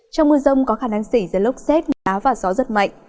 trong mưa rông có khả năng xảy ra lốc xét mưa đá và gió rất mạnh